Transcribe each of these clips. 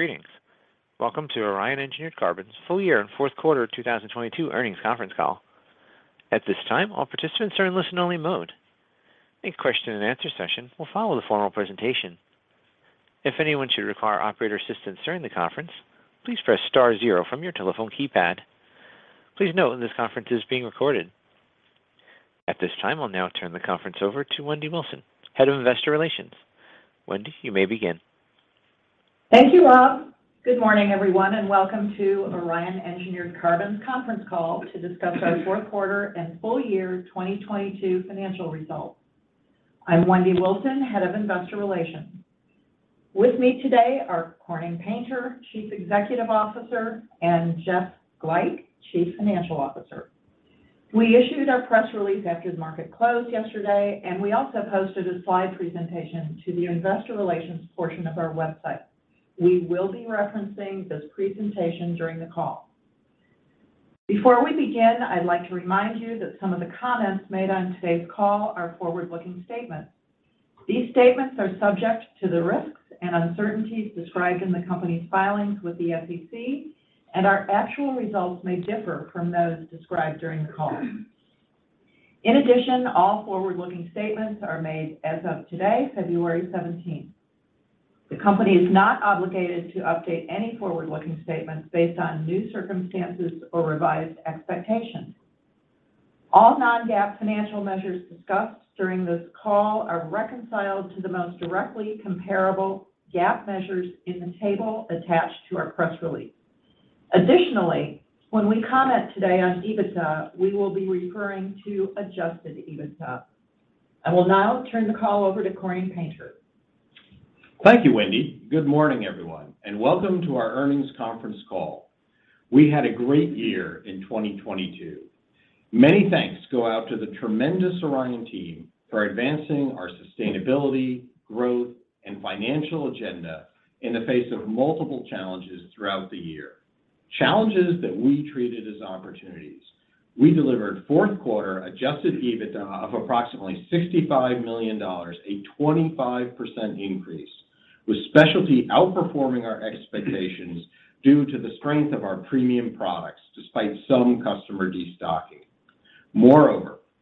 Greetings. Welcome to Orion Engineered Carbons' full year and fourth quarter 2022 earnings conference call. At this time, all participants are in listen-only mode. A question-and-answer session will follow the formal presentation. If anyone should require operator assistance during the conference, please press star zero from your telephone keypad. Please note that this conference is being recorded. At this time, I'll now turn the conference over to Wendy Wilson, Head of Investor Relations. Wendy, you may begin. Thank you, Rob. Good morning, everyone, and welcome to Orion Engineered Carbons conference call to discuss our fourth quarter and full year 2022 financial results. I'm Wendy Wilson, Head of Investor Relations. With me today are Corning Painter, Chief Executive Officer, and Jeff Glajch, Chief Financial Officer. We issued our press release after the market closed yesterday, and we also posted a slide presentation to the investor relations portion of our website. We will be referencing this presentation during the call. Before we begin, I'd like to remind you that some of the comments made on today's call are forward-looking statements. These statements are subject to the risks and uncertainties described in the company's filings with the SEC, and our actual results may differ from those described during the call. In addition, all forward-looking statements are made as of today, February 17th. The company is not obligated to update any forward-looking statements based on new circumstances or revised expectations. All non-GAAP financial measures discussed during this call are reconciled to the most directly comparable GAAP measures in the table attached to our press release. When we comment today on EBITDA, we will be referring to adjusted EBITDA. I will now turn the call over to Corning Painter. Thank you, Wendy. Good morning, everyone, and welcome to our earnings conference call. We had a great year in 2022. Many thanks go out to the tremendous Orion team for advancing our sustainability, growth, and financial agenda in the face of multiple challenges throughout the year, challenges that we treated as opportunities. We delivered fourth quarter Adjusted EBITDA of approximately $65 million, a 25% increase, with Specialty outperforming our expectations due to the strength of our premium products despite some customer destocking.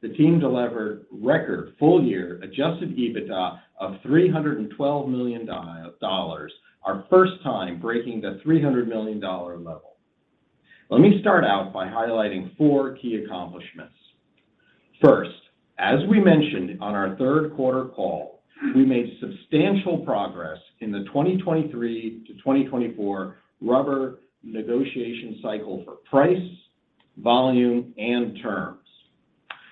The team delivered record full-year Adjusted EBITDA of $312 million, our first time breaking the $300 million level. Let me start out by highlighting four key accomplishments. First, as we mentioned on our third quarter call, we made substantial progress in the 2023-2024 rubber negotiation cycle for price, volume, and terms.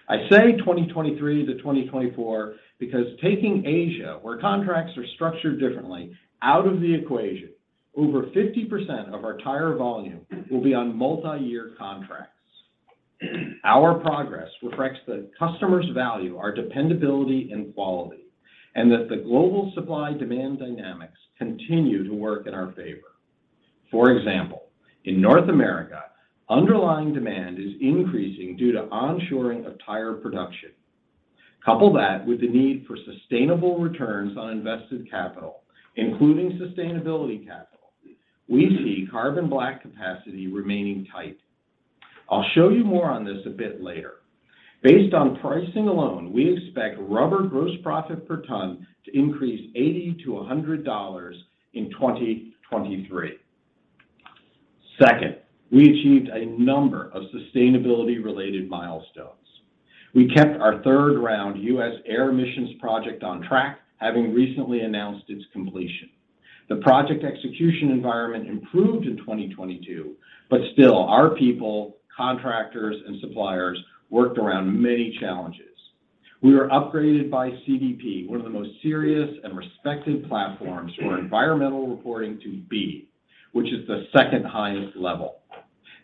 I say 2023 to 2024 because taking Asia, where contracts are structured differently, out of the equation, over 50% of our tire volume will be on multi-year contracts. Our progress reflects that customers value our dependability and quality, and that the global supply-demand dynamics continue to work in our favor. For example, in North America, underlying demand is increasing due to onshoring of tire production. Couple that with the need for sustainable returns on invested capital, including sustainability capital, we see carbon black capacity remaining tight. I will show you more on this a bit later. Based on pricing alone, we expect rubber gross profit per ton to increase $80-$100 in 2023. Second, we achieved a number of sustainability-related milestones. We kept our third-round U.S. air emissions project on track, having recently announced its completion. The project execution environment improved in 2022, but still our people, contractors, and suppliers worked around many challenges. We were upgraded by CDP, one of the most serious and respected platforms for environmental reporting to B, which is the second highest level.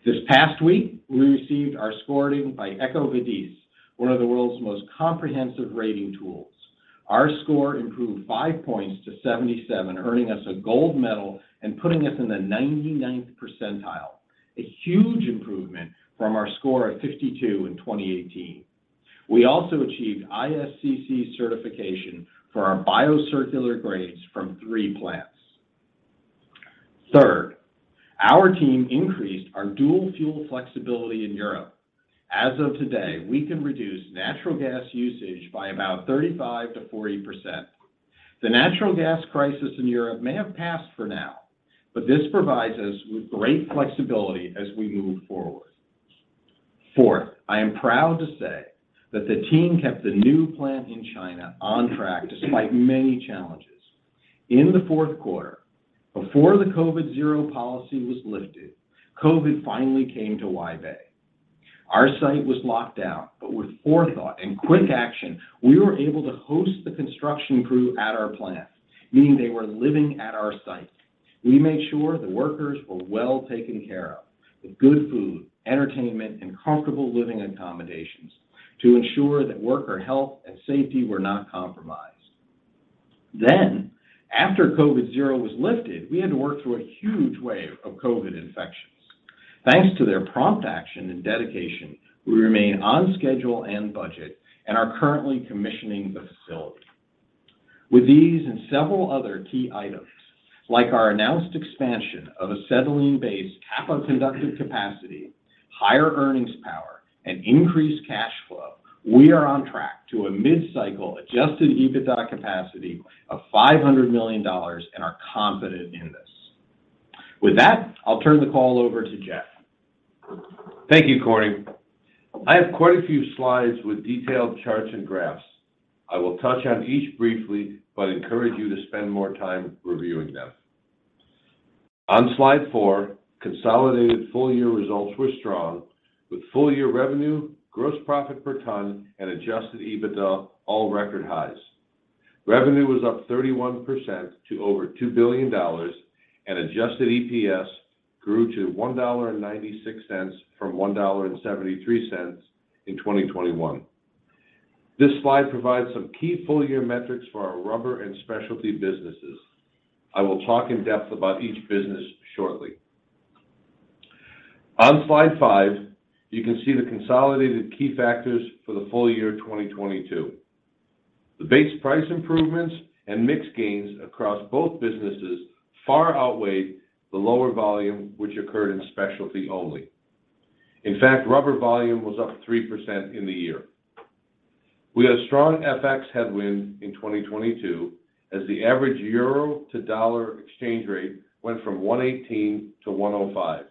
This past week, we received our scoring by EcoVadis, one of the world's most comprehensive rating tools. Our score improved 5 points to 77, earning us a gold medal and putting us in the 99th percentile, a huge improvement from our score of 52 in 2018. We also achieved ISCC certification for our biocircular grades from 3 plants. Third, our team increased our dual-fuel flexibility in Europe. As of today, we can reduce natural gas usage by about 35%-40%. The natural gas crisis in Europe may have passed for now, but this provides us with great flexibility as we move forward. Fourth, I am proud to say that the team kept the new plant in China on track despite many challenges. In the fourth quarter, before the COVID Zero policy was lifted, COVID finally came to Huaibei. Our site was locked down, but with forethought and quick action, we were able to host the construction crew at our plant, meaning they were living at our site. We made sure the workers were well taken care of with good food, entertainment, and comfortable living accommodations to ensure that worker health and safety were not compromised. After COVID Zero was lifted, we had to work through a huge wave of COVID infections. Thanks to their prompt action and dedication, we remain on schedule and budget, and are currently commissioning the facility. With these and several other key items, like our announced expansion of acetylene-based kappa conductive capacity, higher earnings power, and increased cash flow, we are on track to a mid-cycle Adjusted EBITDA capacity of $500 million, and are confident in this. With that, I will turn the call over to Jeff. Thank you, Corning. I have quite a few slides with detailed charts and graphs. I will touch on each briefly, but encourage you to spend more time reviewing them. On slide 4, consolidated full year results were strong, with full year revenue, Gross profit per ton, and Adjusted EBITDA all record highs. Revenue was up 31% to over $2 billion, and Adjusted EPS grew to $1.96 from $1.73 in 2021. This slide provides some key full year metrics for our Rubber and Specialty businesses. I will talk in depth about each business shortly. On slide 5, you can see the consolidated key factors for the full year 2022. The base price improvements and mix gains across both businesses far outweighed the lower volume which occurred in Specialty only. In fact, rubber volume was up 3% in the year. We had a strong FX headwind in 2022 as the average EUR to dollar exchange rate went from 1.18 to 1.05.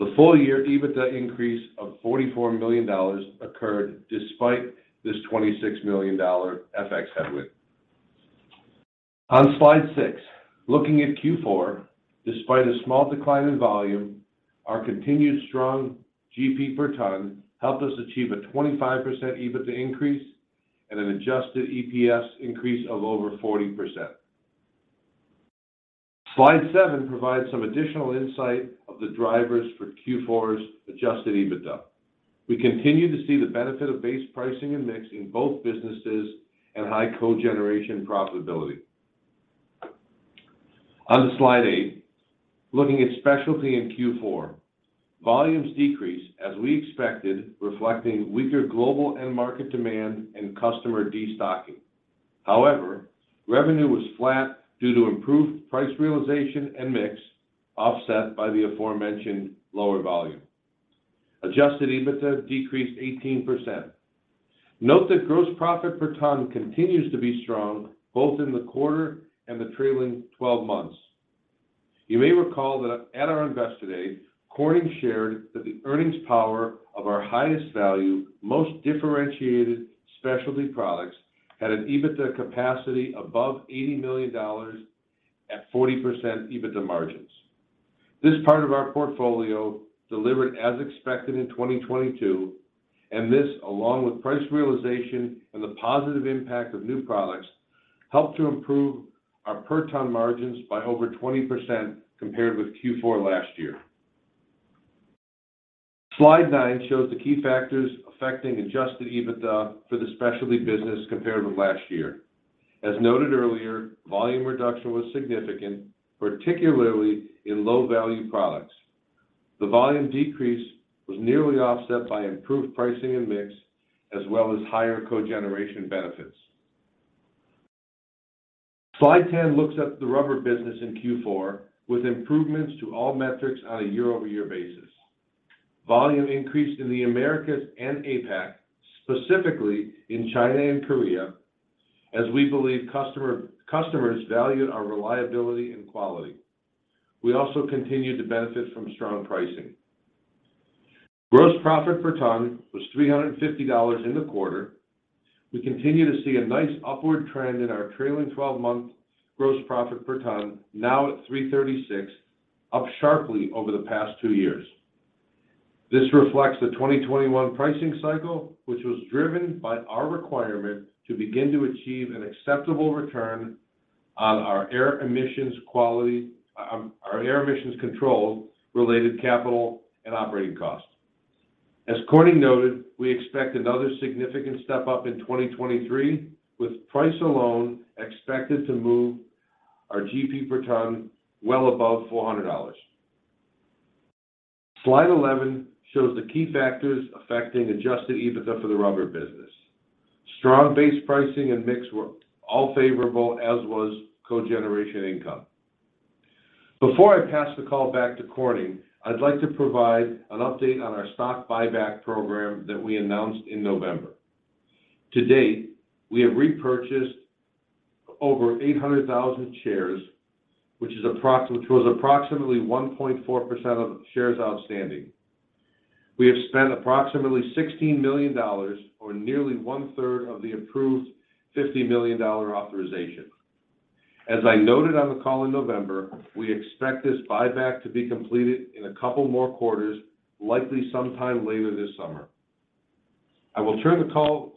The full year EBITDA increase of $44 million occurred despite this $26 million FX headwind. On slide six, looking at Q4, despite a small decline in volume, our continued strong GP per ton helped us achieve a 25% EBITDA increase and an adjusted EPS increase of over 40%. Slide seven provides some additional insight of the drivers for Q4's Adjusted EBITDA. We continue to see the benefit of base pricing and mix in both businesses and high cogeneration profitability. On slide eight, looking at Specialty in Q4, volumes decreased as we expected, reflecting weaker global end market demand and customer destocking. Revenue was flat due to improved price realization and mix, offset by the aforementioned lower volume. Adjusted EBITDA decreased 18%. Note that gross profit per ton continues to be strong both in the quarter and the trailing 12 months. You may recall that at our Investor Day, Corning shared that the earnings power of our highest value, most differentiated specialty products had an EBITDA capacity above $80 million at 40% EBITDA margins. This part of our portfolio delivered as expected in 2022, this, along with price realization and the positive impact of new products, helped to improve our per ton margins by over 20% compared with Q4 last year. Slide 9 shows the key factors affecting Adjusted EBITDA for the specialty business compared with last year. As noted earlier, volume reduction was significant, particularly in low-value products. The volume decrease was nearly offset by improved pricing and mix, as well as higher cogeneration benefits. Slide 10 looks at the rubber business in Q4, with improvements to all metrics on a year-over-year basis. Volume increased in the Americas and APAC, specifically in China and Korea, as we believe customers valued our reliability and quality. We also continued to benefit from strong pricing. Gross profit per ton was $350 in the quarter. We continue to see a nice upward trend in our trailing twelve-month gross profit per ton, now at $336, up sharply over the past 2 years. This reflects the 2021 pricing cycle, which was driven by our requirement to begin to achieve an acceptable return on our air emissions quality, our air emissions control related capital and operating costs. As Corning noted, we expect another significant step-up in 2023, with price alone expected to move our GP per ton well above $400. Slide 11 shows the key factors affecting Adjusted EBITDA for the rubber business. Strong base pricing and mix were all favorable, as was cogeneration income. Before I pass the call back to Corning, I would like to provide an update on our stock buyback program that we announced in November. To date, we have repurchased over 800,000 shares, which is approximately 1.4% of shares outstanding. We have spent approximately $16 million, or nearly one-third of the approved $50 million authorization. As I noted on the call in November, we expect this buyback to be completed in a couple more quarters, likely sometime later this summer. I will turn the call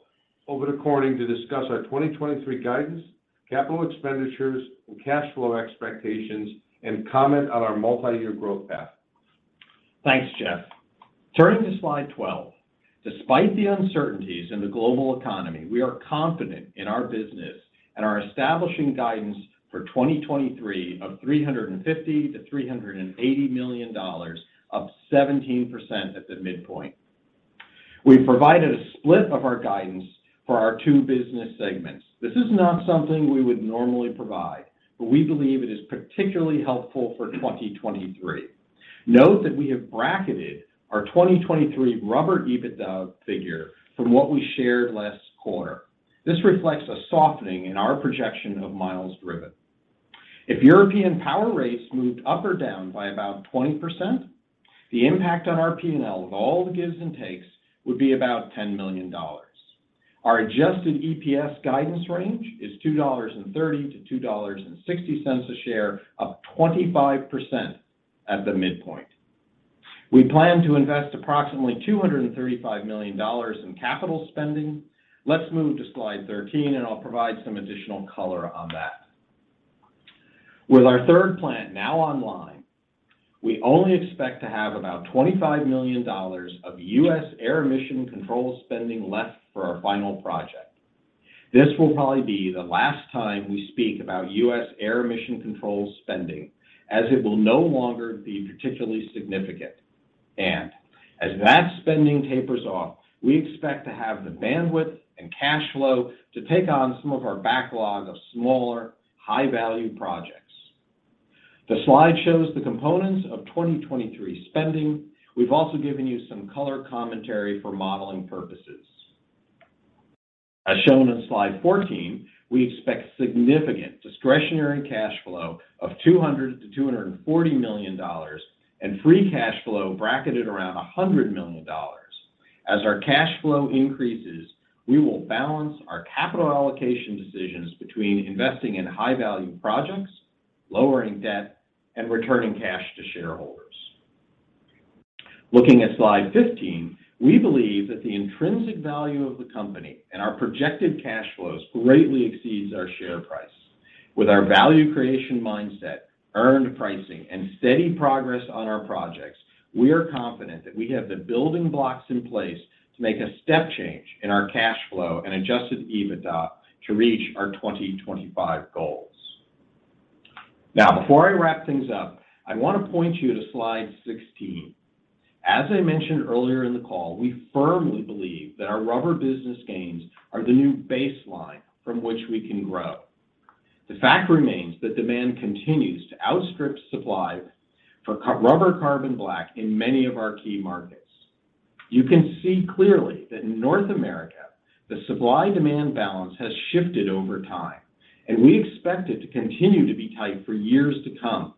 over to Corning to discuss our 2023 guidance, capital expenditures, and cash flow expectations, and comment on our multi-year growth path. Thanks, Jeff. Turning to slide 12. Despite the uncertainties in the global economy, we are confident in our business and are establishing guidance for 2023 of $350 million-$380 million, up 17% at the midpoint. We've provided a split of our guidance for our 2 business segments. This is not something we would normally provide, but we believe it is particularly helpful for 2023. Note that we have bracketed our 2023 rubber EBITDA figure from what we shared last quarter. This reflects a softening in our projection of miles driven. If European power rates moved up or down by about 20%, the impact on our P&L of all the gives and takes would be about $10 million. Our adjusted EPS guidance range is $2.30-$2.60 a share, up 25% at the midpoint. We plan to invest approximately $235 million in capital spending. Let's move to slide 13, and I will provide some additional color on that. With our third plant now online, we only expect to have about $25 million of U.S. air emission control spending left for our final project. This will probably be the last time we speak about U.S. air emission control spending, as it will no longer be particularly significant. As that spending tapers off, we expect to have the bandwidth and cash flow to take on some of our backlog of smaller, high-value projects. The slide shows the components of 2023 spending. We have also given you some color commentary for modeling purposes. As shown in slide 14, we expect significant discretionary cash flow of $200 million-$240 million and free cash flow bracketed around $100 million. As our cash flow increases, we will balance our capital allocation decisions between investing in high-value projects, lowering debt, and returning cash to shareholders. Looking at slide 15, we believe that the intrinsic value of the company and our projected cash flows greatly exceeds our share price. With our value creation mindset, earned pricing, and steady progress on our projects, we are confident that we have the building blocks in place to make a step change in our cash flow and Adjusted EBITDA to reach our 2025 goals. Now before I wrap things up, I want to point you to slide 16. As I mentioned earlier in the call, we firmly believe that our rubber business gains are the new baseline from which we can grow. The fact remains that demand continues to outstrip supply for Rubber Carbon Black in many of our key markets. You can see clearly that in North America, the supply-demand balance has shifted over time, and we expect it to continue to be tight for years to come.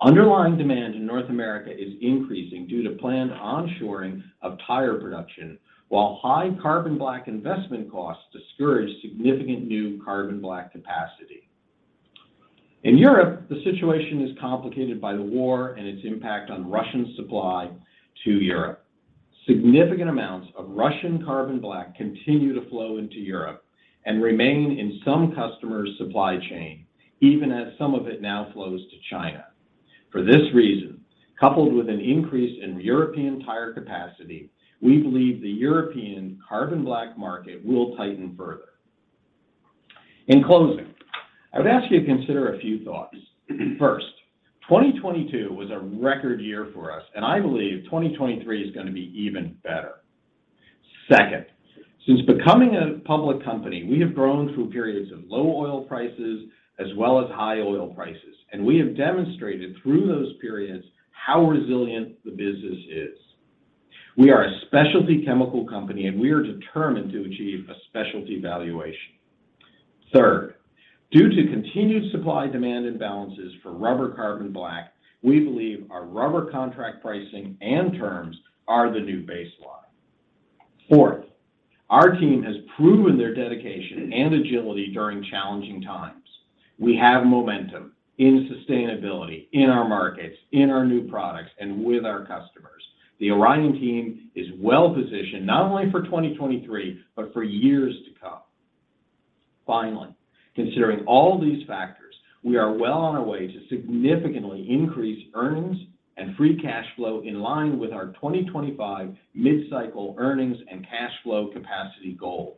Underlying demand in North America is increasing due to planned onshoring of tire production, while high carbon black investment costs discourage significant new carbon black capacity. In Europe, the situation is complicated by the war and its impact on Russian supply to Europe. Significant amounts of Russian carbon black continue to flow into Europe and remain in some customers' supply chain, even as some of it now flows to China. For this reason, coupled with an increase in European tire capacity, we believe the European carbon black market will tighten further. In closing, I would ask you to consider a few thoughts. First, 2022 was a record year for us, and I believe 2023 is gonna be even better. Second, since becoming a public company, we have grown through periods of low oil prices as well as high oil prices, and we have demonstrated through those periods how resilient the business is. We are a specialty chemical company, and we are determined to achieve a specialty valuation. Third, due to continued supply-demand imbalances for Rubber Carbon Black, we believe our rubber contract pricing and terms are the new baseline. Fourth, our team has proven their dedication and agility during challenging times. We have momentum in sustainability, in our markets, in our new products, and with our customers. The Orion team is well positioned not only for 2023, but for years to come. Finally, considering all these factors, we are well on our way to significantly increase earnings and free cash flow in line with our 2025 mid-cycle earnings and cash flow capacity goals.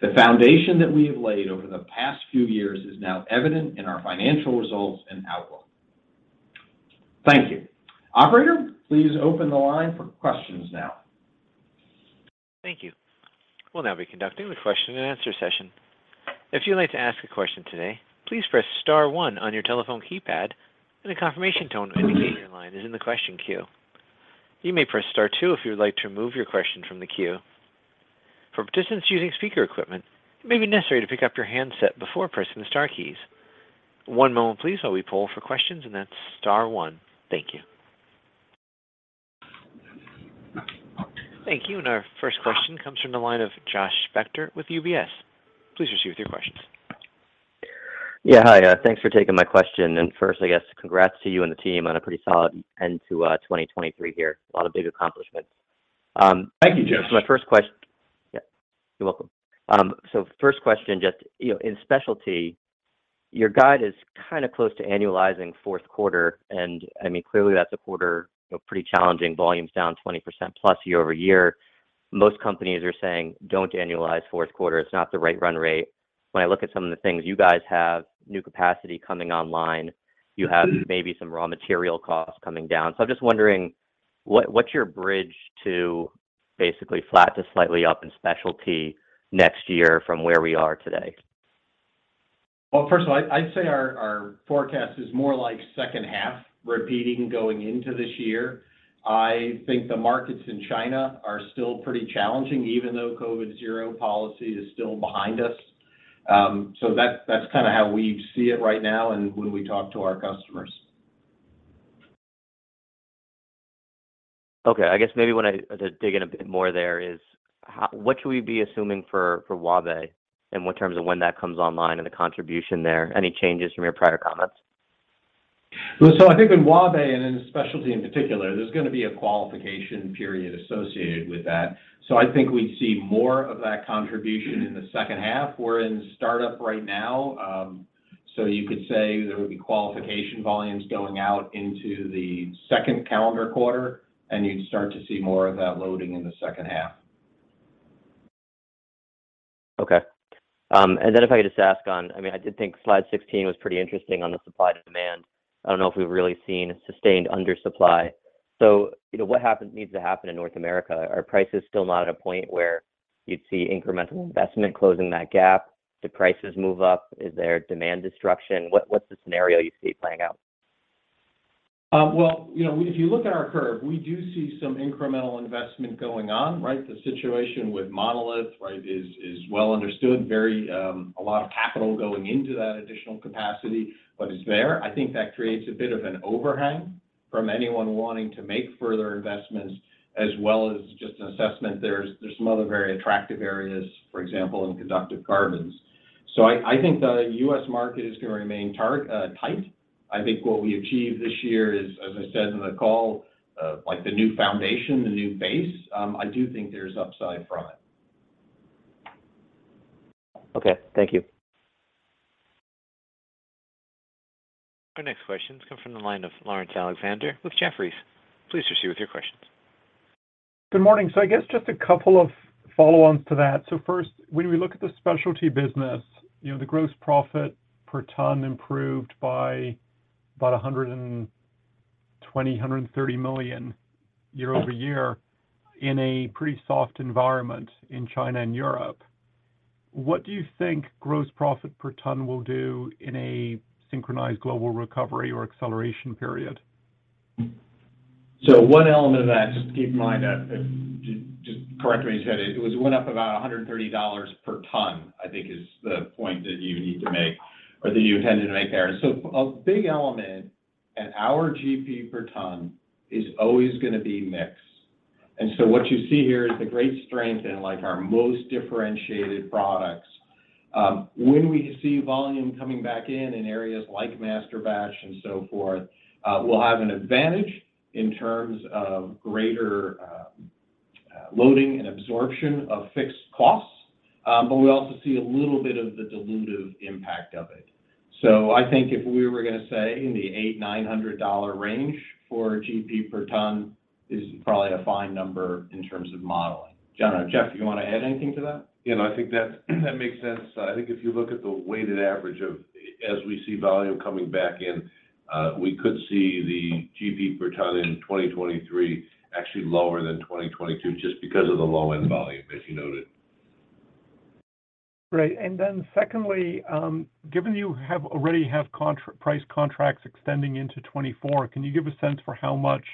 The foundation that we have laid over the past few years is now evident in our financial results and outlook. Thank you. Operator, please open the line for questions now. Thank you. We will now be conducting the question and answer session. If you'd like to ask a question today, please press star one on your telephone keypad, and a confirmation tone will indicate your line is in the question queue. You may press Star two if you would like to remove your question from the queue. For participants using speaker equipment, it may be necessary to pick up your handset before pressing the star keys. One moment please while we poll for questions, and that's star one. Thank you. Thank you. Our first question comes from the line of Joshua Spector with UBS. Please proceed with your questions. Yeah. Hi. Thanks for taking my question. First, I guess, congrats to you and the team on a pretty solid end to 2023 here. A lot of big accomplishments. Thank you, Josh. My first. First question, just, you know, in specialty, your guide is kind of close to annualizing fourth quarter, and I mean, clearly that's a quarter, you know, pretty challenging, volumes down 20%+ year-over-year. Most companies are saying, "Don't annualize fourth quarter. It's not the right run rate." When I look at some of the things, you guys have new capacity coming online. You have maybe some raw material costs coming down. I'm just wondering what's your bridge to basically flat to slightly up in specialty next year from where we are today? First of all, I'd say our forecast is more like second half repeating going into this year. I think the markets in China are still pretty challenging, even though COVID zero policy is still behind us. That's kinda how we see it right now and when we talk to our customers. Okay. I guess maybe when to dig in a bit more there is what should we be assuming for Huaibei in terms of when that comes online and the contribution there? Any changes from your prior comments? I think in Huaibei and in Specialty in particular, there's gonna be a qualification period associated with that. I think we see more of that contribution in the second half. We're in startup right now, you could say there would be qualification volumes going out into the second calendar quarter, and you'd start to see more of that loading in the second half. Okay. If I could just ask, I mean, I did think slide 16 was pretty interesting on the supply to demand. I don't know if we've really seen sustained undersupply. So you know, what needs to happen in North America? Are prices still not at a point where you'd see incremental investment closing that gap? Do prices move up? Is there demand destruction? What's the scenario you see playing out? Well, you know, if you look at our curve, we do see some incremental investment going on, right? The situation with Monolith, right, is well understood. Very, a lot of capital going into that additional capacity, but it's there. I think that creates a bit of an overhang from anyone wanting to make further investments as well as just an assessment. There is some other very attractive areas, for example, in conductive carbons. I think the U.S. market is gonna remain tight. I think what we achieved this year is, as I said in the call, like the new foundation, the new base. I do think there's upside from it. Okay. Thank you. Our next question comes from the line of Laurence Alexander with Jefferies. Please proceed with your questions. Good morning. I guess just a couple of follow-ons to that. First, when we look at the specialty business, you know, the gross profit per ton improved by about $120 million-$130 million year-over-year in a pretty soft environment in China and Europe. What do you think gross profit per ton will do in a synchronized global recovery or acceleration period? One element of that, just to keep in mind, just correct me if I said it went up about $103 per ton, I think is the point that you need to make or that you intended to make there. A big element at our GP per ton is always gonna be mix. What you see here is the great strength in, like, our most differentiated products. When we see volume coming back in areas like masterbatch and so forth, we will have an advantage in terms of greater loading and absorption of fixed costs. We also see a little bit of the dilutive impact of it. So I think if we were gonna say in the $800-$900 range for GP per ton is probably a fine number in terms of modeling. Jonathan or Jeff, do you wanna add anything to that? You know, I think that makes sense. I think if you look at the weighted average of as we see volume coming back in, we could see the GP per ton in 2023 actually lower than 2022 just because of the low-end volume, as you noted. Great. And then secondly, given you already have price contracts extending into 2024, can you give a sense for how much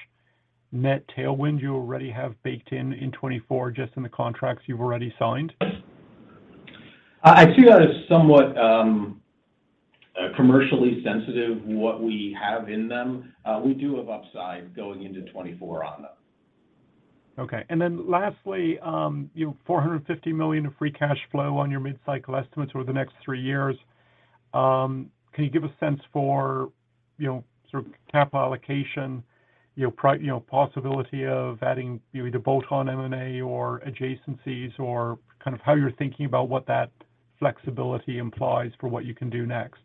net tailwind you already have baked in in 2024 just in the contracts you've already signed? I see that as somewhat, commercially sensitive, what we have in them. We do have upside going into 2024 on them. Okay. Lastly, you know, $450 million of free cash flow on your mid-cycle estimates over the next three years. Can you give a sense for, you know, sort of cap allocation, you know, possibility of adding either bolt-on M&A or adjacencies or kind of how you're thinking about what that flexibility implies for what you can do next?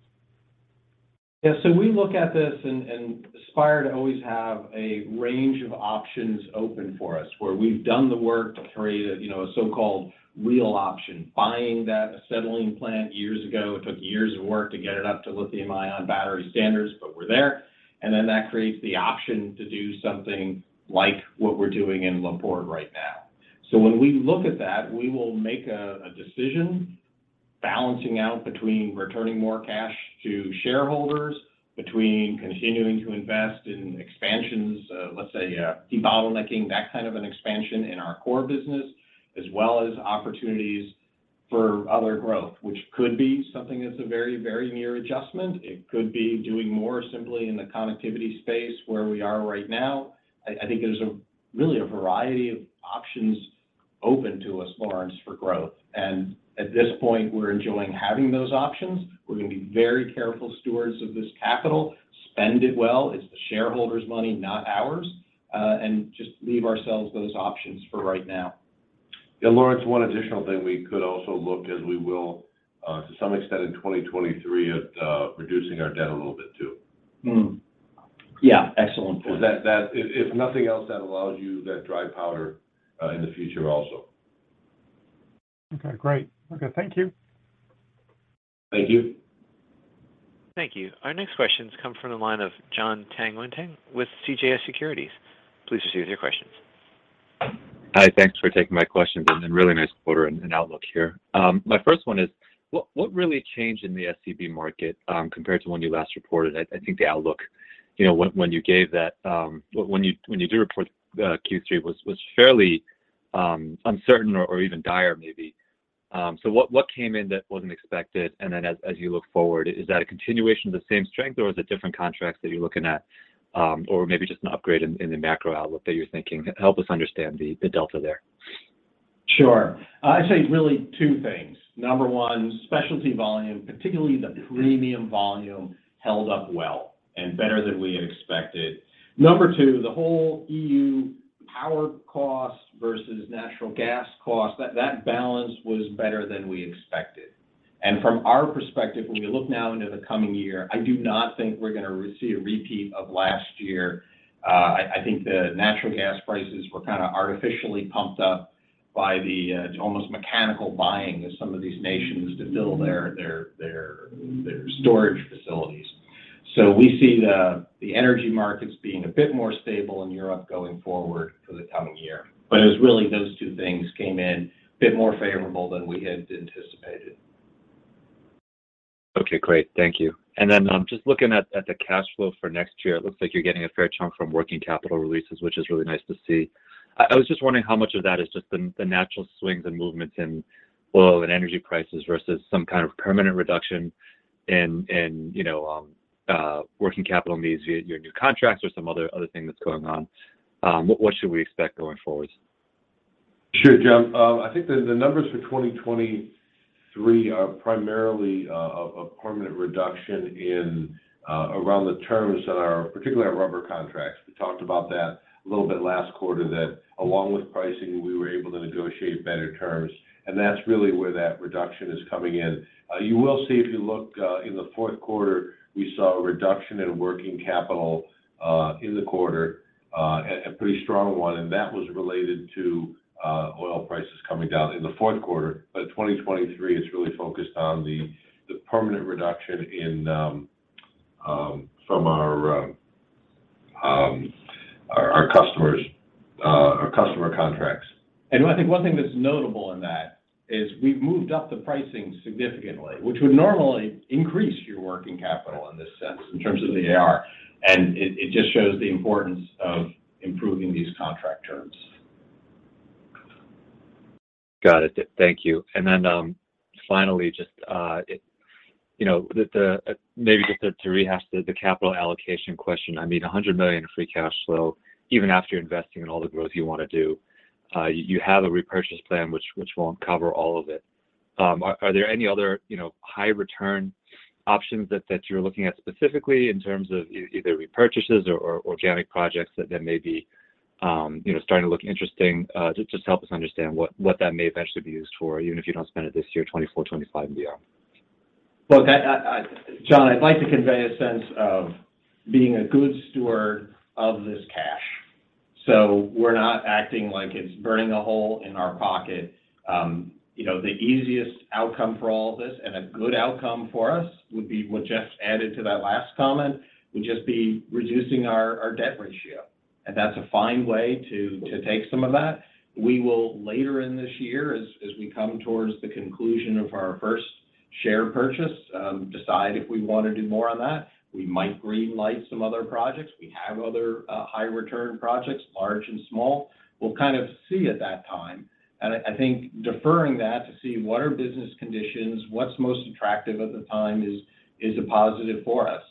Yes we look at this and aspire to always have a range of options open for us, where we've done the work to create a, you know, a so-called real option. Buying that acetylene plant years ago, it took years of work to get it up to lithium-ion battery standards, but we're there. Then that creates the option to do something like what we are doing in La Porte right now. When we look at that, we will make a decision balancing out between returning more cash to shareholders, between continuing to invest in expansions, let's say, debottlenecking, that kind of an expansion in our core business, as well as opportunities for other growth, which could be something that's a very, very near adjustment. It could be doing more simply in the connectivity space where we are right now. I think there is a really a variety of options open to us, Laurence, for growth. At this point, we are enjoying having those options. We are gonna be very careful stewards of this capital, spend it well. It's the shareholders' money, not ours. Just leave ourselves those options for right now. Laurence. One additional thing we could also look as we will, to some extent in 2023 at reducing our debt a little bit too. Excellent point. That if nothing else, that allows you that dry powder in the future also. Okay, great. Okay, thank you. Thank you. Thank you. Our next questions come from the line of Jonathan Tanwanteng with CJS Securities. Please proceed with your questions. Hi. Thanks for taking my questions and really nice quarter and outlook here. My first one is: what really changed in the SCB market compared to when you last reported? I think the outlook, you know, when you gave that, when you do report Q3 was fairly uncertain or even dire maybe. What came in that wasn't expected? As you look forward, is that a continuation of the same strength, or is it different contracts that you are looking at? Or maybe just an upgrade in the macro outlook that you're thinking. Help us understand the delta there. Sure. I'd say really 2 things. 1, Specialty volume, particularly the premium volume, held up well and better than we had expected. 2, the whole EU power cost versus natural gas cost, that balance was better than we expected. From our perspective, when we look now into the coming year, I do not think we're going to re-see a repeat of last year. I think the natural gas prices were kind of artificially pumped up by the almost mechanical buying of some of these nations to fill their storage facilities. We see the energy markets being a bit more stable in Europe going forward for the coming year. It was really those 2 things came in a bit more favorable than we had anticipated. Okay, great. Thank you. And then, just looking at the cash flow for next year, it looks like you're getting a fair chunk from working capital releases, which is really nice to see. I was just wondering how much of that is just the natural swings and movements in oil and energy prices versus some kind of permanent reduction in, you know, working capital needs via your new contracts or some other thing that's going on. What should we expect going forward? Sure, John. I think the numbers for 2023 are primarily of permanent reduction in around the terms that are particularly our rubber contracts. We talked about that a little bit last quarter, that along with pricing, we were able to negotiate better terms, and that's really where that reduction is coming in. You will see if you look in the fourth quarter, we saw a reduction in working capital in the quarter, a pretty strong one, and that was related to oil prices coming down in the fourth quarter. 2023 is really focused on the permanent reduction in from our customers, our customer contracts. I think one thing that's notable in that is we have moved up the pricing significantly, which would normally increase your working capital in this sense in terms of the AR, and it just shows the importance of improving these contract terms. Got it. Thank you. Finally, just, you know, maybe just to rehash the capital allocation question. I mean, $100 million of free cash flow, even after investing in all the growth you wanna do, you have a repurchase plan, which won't cover all of it. Are there any other, you know, high return options that you're looking at specifically in terms of either repurchases or organic projects that may be, you know, starting to look interesting? Just help us understand what that may eventually be used for, even if you don't spend it this year, 2024, 2025 and beyond. Look, I'd like to convey a sense of being a good steward of this cash. We're not acting like it's burning a hole in our pocket. You know, the easiest outcome for all of this and a good outcome for us would be what Jeff added to that last comment, would just be reducing our debt ratio, and that's a fine way to take some of that. We will later in this year as we come towards the conclusion of our first share purchase, decide if we wanna do more on that. We might green light some other projects. We have other high return projects, large and small. We'll kind of see at that time. I think deferring that to see what are business conditions, what's most attractive at the time is a positive for us.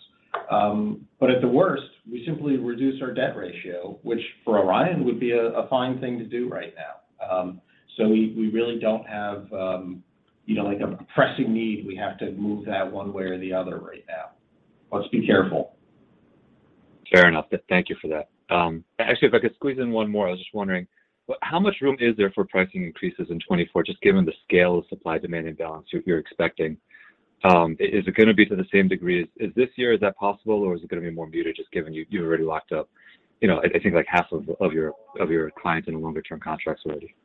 At the worst, we simply reduce our debt ratio, which for Orion would be a fine thing to do right now. We really don't have a pressing need we have to move that one way or the other right now. Let's be careful. Fair enough. Thank you for that. Actually, if I could squeeze in one more, I was just wondering how much room is there for pricing increases in 24, just given the scale of supply-demand imbalance you are expecting? Is it gonna be to the same degree as this year, is that possible, or is it gonna be more muted just given you already locked up, you know, I think like half of your clients into longer term contracts already?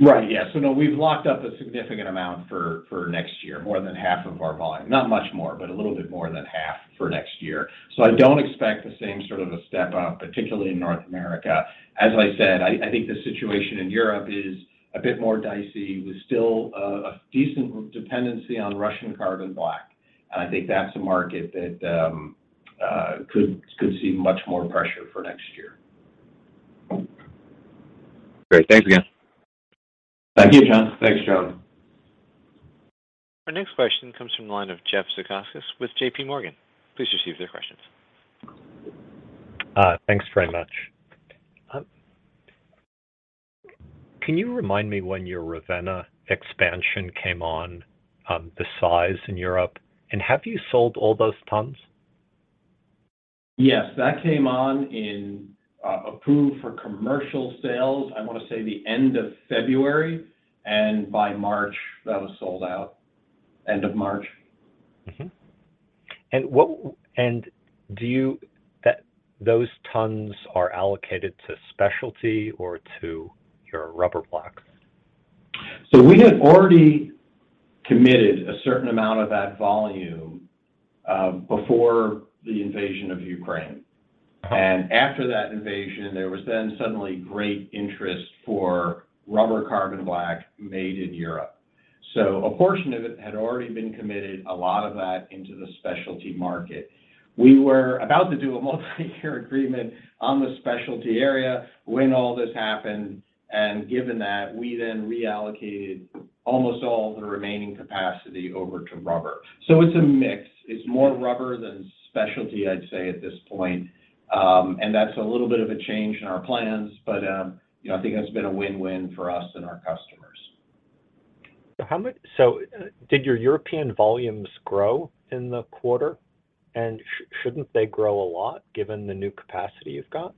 Right. Yeah. No, we have locked up a significant amount for next year, more than half of our volume. Not much more, but a little bit more than half for next year. I don't expect the same sort of a step-up, particularly in North America. As I said, I think the situation in Europe is a bit more dicey with still, a decent dependency on Russian carbon black, and I think that's a market that could see much more pressure for next year. Great. Thanks again. Thank you, John. Thanks, John. Our next question comes from the line of Jeffrey Zekauskas with J.P. Morgan. Please proceed with your questions. Thanks very much. Can you remind me when your Ravenna expansion came on, the size in Europe? Have you sold all those tons? Yes. That came on in, approved for commercial sales, I want to say the end of February. And by March, that was sold out. End of March. Mm-hmm. Those tons are allocated to Specialty or to your Rubber blocks? We had already committed a certain amount of that volume, before the invasion of Ukraine. Uh-huh. After that invasion, there was then suddenly great interest for Rubber Carbon Black made in Europe. A portion of it had already been committed, a lot of that into the specialty market. We were about to do a multi-year agreement on the specialty area when all this happened, and given that, we then reallocated almost all the remaining capacity over to rubber. It's a mix. It's more rubber than specialty, I'd say, at this point. That's a little bit of a change in our plans, but, you know, I think that's been a win-win for us and our customers. Did your European volumes grow in the quarter? Shouldn't they grow a lot given the new capacity you have got?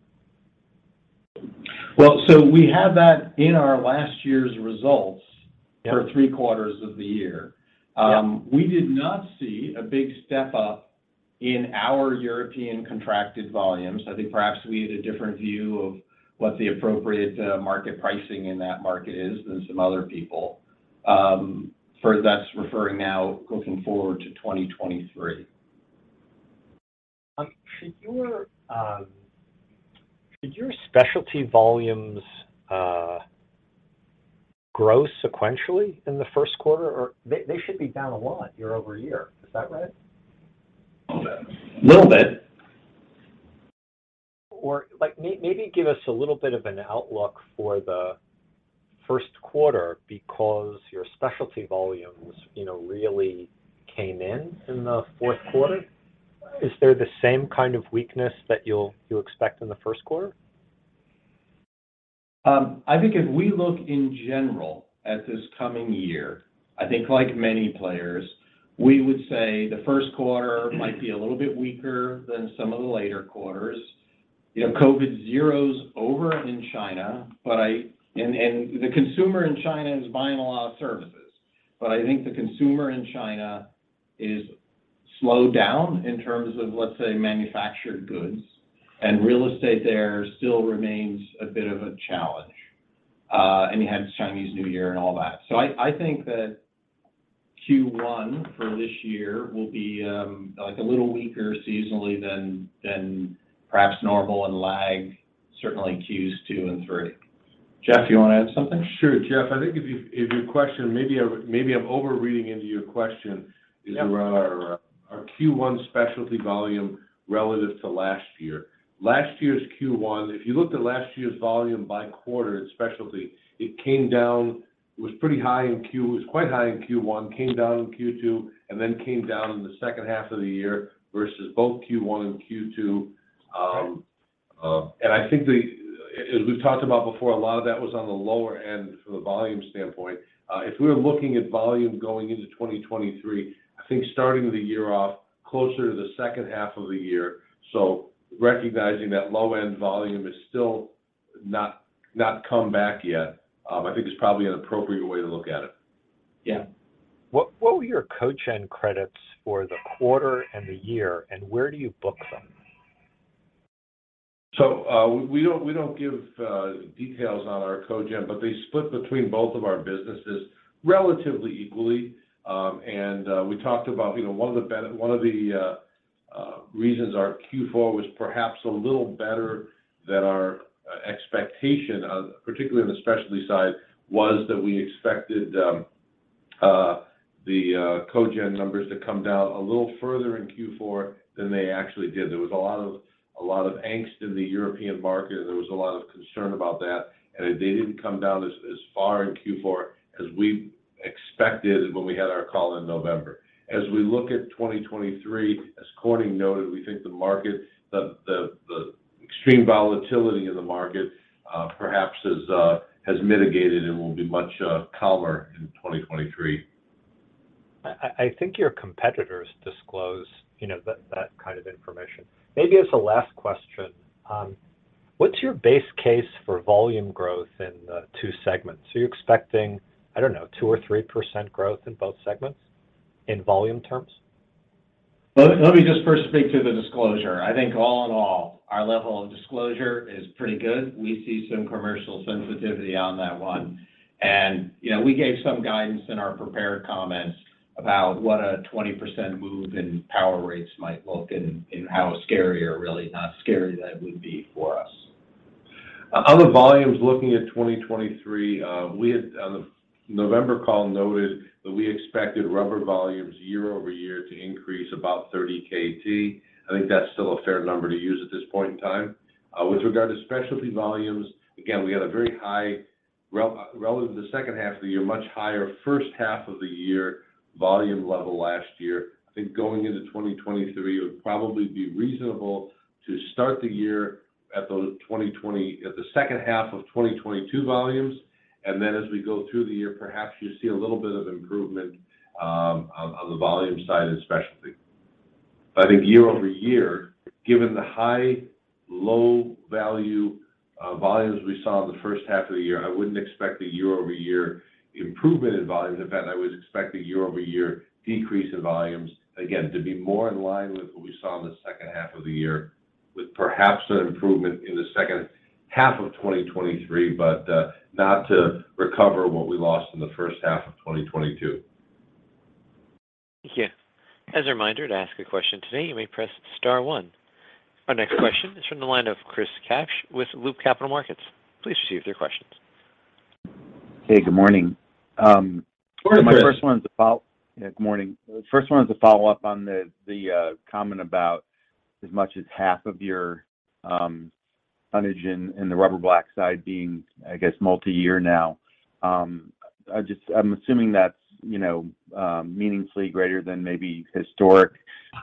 We had that in our last year's results. Yeah... for three quarters of the year. Yeah We did not see a big step up in our European contracted volumes. I think perhaps we had a different view of what the appropriate market pricing in that market is than some other people. That's referring now going forward to 2023. Should your specialty volumes grow sequentially in the first quarter or they should be down a lot year-over-year? Is that right? A little bit. Like, maybe give us a little bit of an outlook for the first quarter because your specialty volumes, you know, really came in in the fourth quarter. Is there the same kind of weakness that you expect in the first quarter? I think if we look in general at this coming year, I think like many players, we would say the first quarter might be a little bit weaker than some of the later quarters. You know, zero-COVID's over in China, the consumer in China is buying a lot of services. I think the consumer in China is slowed down in terms of, let's say, manufactured goods, and real estate there still remains a bit of a challenge. You had Chinese New Year and all that. So I think that Q one for this year will be, like, a little weaker seasonally than perhaps normal and lag, certainly Qs two and three. Jeff, you wanna add something? Sure. Jeff, I think if your question, maybe I'm overreading into your question. Yeah Is around our Q1 Specialty volume relative to last year. Last year's Q1, if you looked at last year's volume by quarter in Specialty, it came down. It was quite high in Q1, came down in Q2, and then came down in the second half of the year versus both Q1 and Q2. And I simply we've talked about before, a lot of that was on the lower end from a volume standpoint. If we were looking at volume going into 2023, I think starting the year off closer to the second half of the year, so recognizing that low-end volume is still not come back yet, I think is probably an appropriate way to look at it. Yeah. What were your cogen credits for the quarter and the year, and where do you book them? We don't give details on our cogen, but they split between both of our businesses relatively equally. We talked about, you know, one of the reasons our Q4 was perhaps a little better than our expectation, particularly on the Specialty side, was that we expected the cogen numbers to come down a little further in Q4 than they actually did. There was a lot of angst in the European market. There was a lot of concern about that. It didn't come down as far in Q4 as we expected when we had our call in November. As we look at 2023, as Corning noted, we think the market, the extreme volatility in the market, perhaps has mitigated and will be much calmer in 2023. I think your competitors disclose, you know, that kind of information. Maybe as a last question, what's your base case for volume growth in the two segments? Are you expecting, I don't know, 2% or 3% growth in both segments in volume terms? Let me just first speak to the disclosure. I think all in all, our level of disclosure is pretty good. We see some commercial sensitivity on that one. You know, we gave some guidance in our prepared comments about what a 20% move in power rates might look and how scary or really not scary that would be for us. Other volumes looking at 2023, we had on the November call noted that we expected rubber volumes year-over-year to increase about 30 KT. I think that's still a fair number to use at this point in time. With regard to Specialty volumes, again, we had a very high relative to the second half of the year, much higher first half of the year. Volume level last year, I think going into 2023, it would probably be reasonable to start the year at the second half of 2022 volumes. As we go through the year, perhaps you see a little bit of improvement on the volume side in Specialty. I think year-over-year, given the high low value volumes we saw in the first half of the year, I wouldn't expect a year-over-year improvement in volumes. In fact, I would expect a year-over-year decrease in volumes, again, to be more in line with what we saw in the second half of the year, with perhaps an improvement in the second half of 2023, but, not to recover what we lost in the first half of 2022. Thank you. As a reminder, to ask a question today, you may press star one. Our next question is from the line of Chris Kapsch with Loop Capital Markets. Please proceed with your questions. Hey, good morning. Good morning, Chris. My first one is a follow-up. Yeah, good morning. First one is a follow-up on the comment about as much as half of your tonnage in the Rubber Carbon Black side being, I guess, multi-year now. I'm assuming that's, you know, meaningfully greater than maybe historic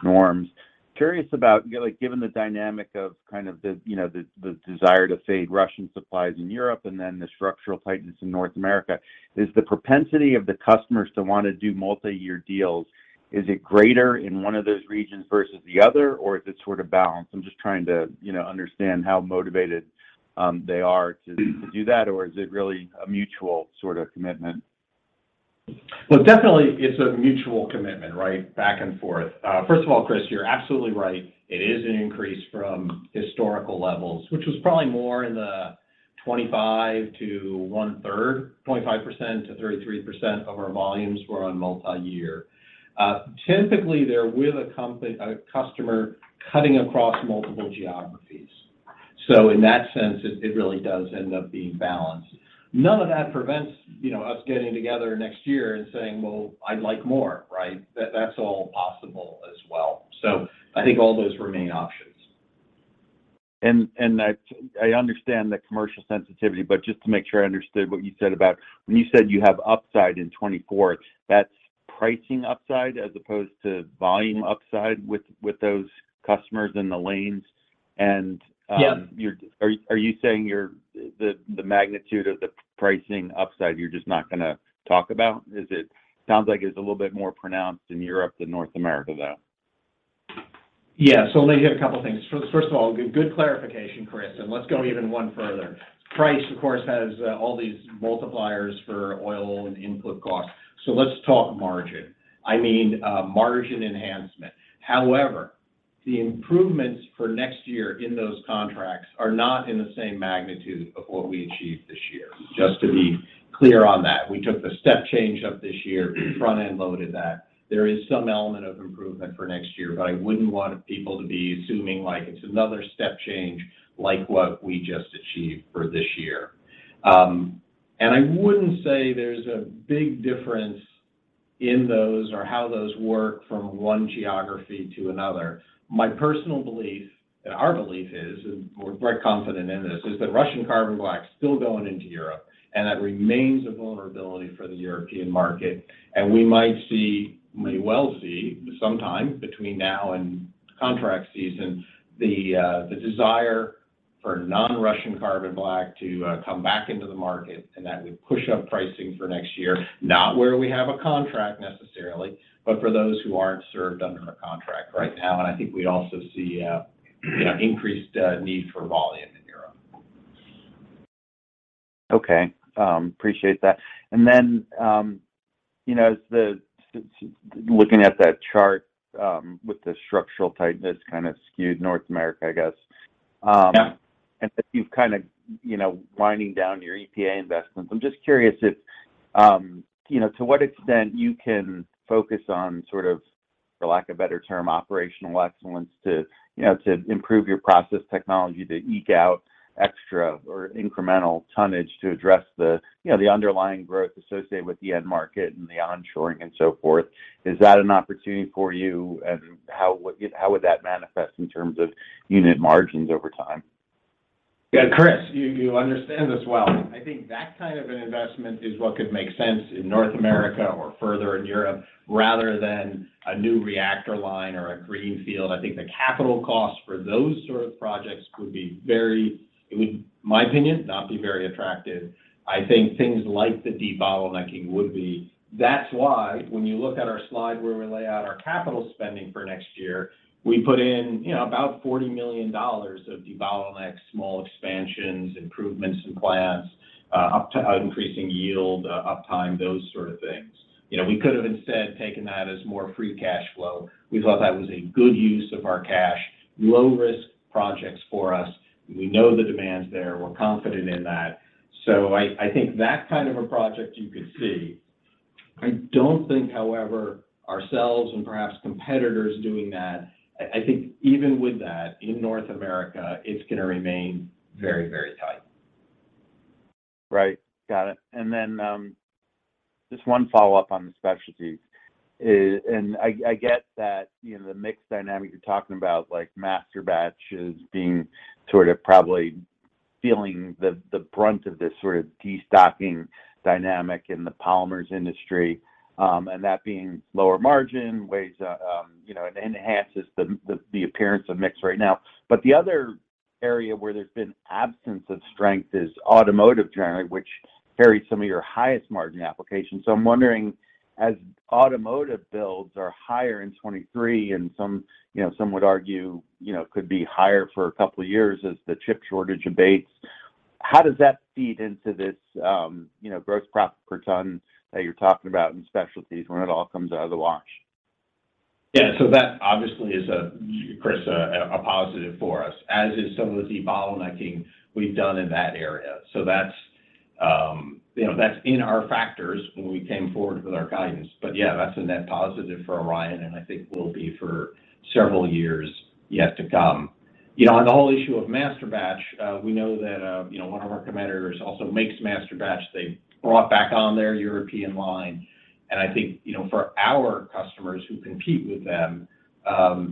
norms. Curious about, like, given the dynamic of kind of the, you know, the desire to fade Russian supplies in Europe and then the structural tightness in North America, is the propensity of the customers to wanna do multi-year deals, is it greater in one of those regions versus the other, or is it sort of balanced? I'm just trying to, you know, understand how motivated they are to do that, or is it really a mutual sort of commitment? Well, definitely it's a mutual commitment, right? Back and forth. First of all, Chris, you are absolutely right. It is an increase from historical levels, which was probably more in the 25 to 1/3. 25%-33% of our volumes were on multi-year. Typically, they're with a customer cutting across multiple geographies. In that sense, it really does end up being balanced. None of that prevents, you know, us getting together next year and saying, "Well, I'd like more," right? That's all possible as well. I think all those remain options. I understand the commercial sensitivity, but just to make sure I understood what you said about when you said you have upside in 2024, that's pricing upside as opposed to volume upside with those customers in the lanes? Yeah Are you saying the magnitude of the pricing upside, you're just not gonna talk about? Sounds like it's a little bit more pronounced in Europe than North America, though. Yeah. Let me hit a couple things. First of all, good clarification, Chris, and let's go even one further. Price, of course, has all these multipliers for oil and input costs, so let's talk margin. I mean, margin enhancement. However, the improvements for next year in those contracts are not in the same magnitude of what we achieved this year, just to be clear on that. We took the step change up this year, front-end loaded that. There is some element of improvement for next year, but I wouldn't want people to be assuming, like, it's another step change like what we just achieved for this year. I wouldn't say there's a big difference in those or how those work from one geography to another. My personal belief, and our belief is, and we are very confident in this, is that Russian carbon black's still going into Europe, and that remains a vulnerability for the European market. We might see, may well see, sometime between now and contract season, the desire for non-Russian carbon black to come back into the market, and that would push up pricing for next year, not where we have a contract necessarily, but for those who aren't served under a contract right now. I think we also see, you know, increased need for volume in Europe. Okay. Appreciate that. You know, as Looking at that chart, with the structural tightness kind of skewed North America, I guess... Yeah... and that you have kinda, you know, winding down your EPA investments, I'm just curious if, you know, to what extent you can focus on sort of, for lack of a better term, operational excellence to, you know, to improve your process technology to eke out extra or incremental tonnage to address the, you know, the underlying growth associated with the end market and the onshoring and so forth. Is that an opportunity for you, and how would that manifest in terms of unit margins over time? Yeah. Chris, you understand this well. I think that kind of an investment is what could make sense in North America or further in Europe, rather than a new reactor line or a greenfield. I think the capital costs for those sort of projects would be very, in my opinion, not be very attractive. I think things like the debottlenecking would be. That's why when you look at our slide where we lay out our capital spending for next year, we put in, you know, about $40 million of debottleneck, small expansions, improvements in plants, up to increasing yield, uptime, those sort of things. You know, we could have instead taken that as more free cash flow. We thought that was a good use of our cash. Low-risk projects for us. We know the demand's there. We are confident in that. I think that kind of a project you could see. I don't think, however, ourselves and perhaps competitors doing that. I think even with that, in North America, it's gonna remain very, very tight. Right. Got it. Then, just one follow-up on the Specialties. And I get that, you know, the mix dynamic you're talking about, like master batches being sort of probably feeling the brunt of this sort of destocking dynamic in the polymers industry, and that being lower margin weighs, you know, it enhances the appearance of mix right now. The other area where there's been absence of strength is automotive generally, which carries some of your highest margin applications. I'm wondering, as automotive builds are higher in 23, and some, you know, some would argue, you know, could be higher for a couple of years as the chip shortage abates, how does that feed into this, you know, gross profit per ton that you're talking about in Specialties when it all comes out of the wash? Yeah. That obviously is a, Chris, a positive for us, as is some of the debottlenecking we've done in that area. That's, you know, that's in our factors when we came forward with our guidance. Yeah, that's a net positive for Orion, and I think will be for several years yet to come. You know, on the whole issue of masterbatch, we know that, you know, one of our competitors also makes masterbatch. They brought back on their European line, and I think, you know, for our customers who compete with them,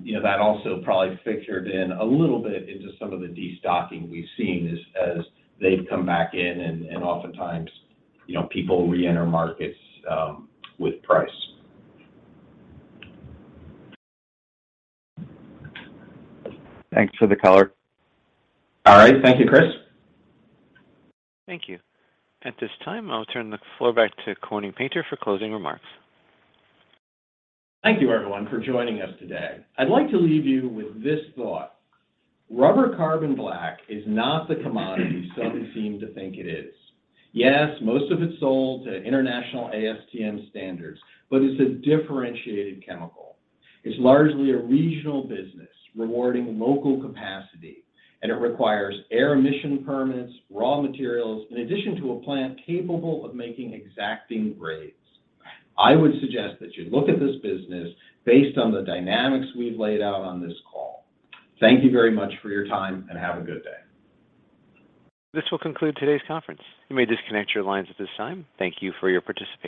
you know, that also probably figured in a little bit into some of the destocking we've seen as they've come back in and oftentimes, you know, people reenter markets, with price. Thanks for the color. All right. Thank you, Chris. Thank you. At this time, I'll turn the floor back to Corning Painter for closing remarks. Thank you everyone for joining us today. I'd like to leave you with this thought: Rubber Carbon Black is not the commodity some seem to think it is. Yes, most of it's sold to international ASTM standards, but it's a differentiated chemical. It's largely a regional business rewarding local capacity, and it requires air emission permits, raw materials, in addition to a plant capable of making exacting grades. I would suggest that you look at this business based on the dynamics we've laid out on this call. Thank you very much for your time, and have a good day. This will conclude today's conference. You may disconnect your lines at this time. Thank you for your participation.